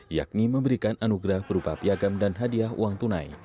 yakni memberikan anugerah berupa piagam dan hadiah uang tunai